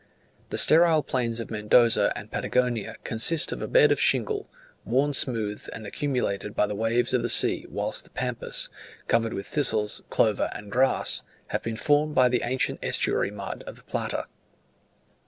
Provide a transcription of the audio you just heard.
The sterile plains of Mendoza and Patagonia consist of a bed of shingle, worn smooth and accumulated by the waves of the sea while the Pampas, covered by thistles, clover, and grass, have been formed by the ancient estuary mud of the Plata.